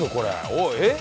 おおえっ？